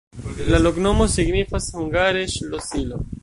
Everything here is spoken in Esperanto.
La loknomo signifas hungare: ŝlosilo.